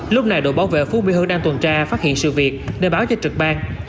lúc này đội bảo vệ phú mỹ hương đang tuần tra phát hiện sự việc nên báo cho trực ban